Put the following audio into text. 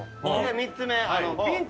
３つ目。